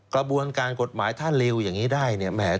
กระบวนการกฎหมายถ้าเรวยังนี้ได้